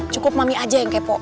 cukup mami aja yang kepo